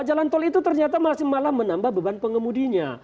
jalan tol itu ternyata masih malah menambah beban pengemudinya